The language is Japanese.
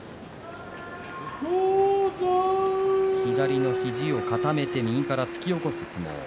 左の肘を固めて右から突き起こす相撲。